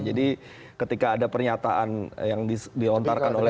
jadi ketika ada pernyataan yang dihontarkan oleh pak ahok